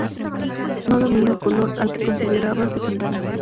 No domina el color, al que consideraba secundario.